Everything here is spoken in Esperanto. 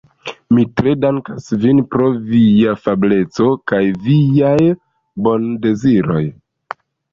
Mi tre dankas vin pro via afableco kaj viaj bondeziroj.